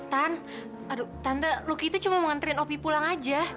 tante aduh tante luki itu cuma mengantrin opi pulang aja